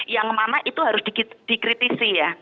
yang mana itu harus dikritisi ya